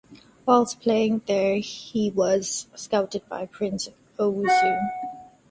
Whilst playing there he was scouted by Prince Owusu.